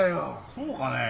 そうかねえ？